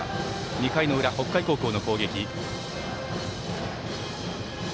２回の裏、北海高校の攻撃。